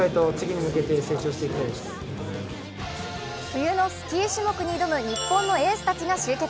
冬のスキー種目に挑む日本のエースたちが集結。